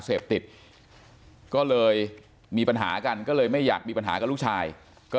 เสพติดก็เลยมีปัญหากันก็เลยไม่อยากมีปัญหากับลูกชายก็